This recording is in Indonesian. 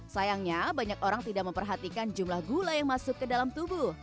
sayangnya banyak orang tidak memperhatikan jumlah gula yang masuk ke dalam tubuh